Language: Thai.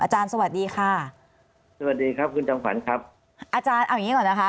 อาจารย์เอายังงี้ก่อนนะคะ